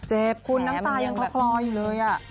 เจ็บคุณน้ำตายังคลออยู่เลย